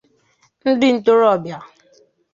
ndị ntorobịa